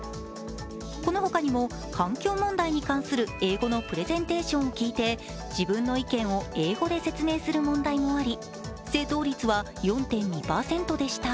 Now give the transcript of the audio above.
この他にも、環境問題に関する英語のプレゼンテーションを聞いて、自分の意見を英語で説明する問題もあり正答率は４．２％でした。